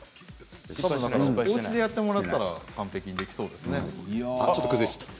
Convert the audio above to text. おうちでやってもらったら完璧にできそうですね。